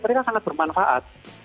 mereka sangat bermanfaat